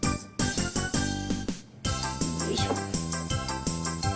よいしょ。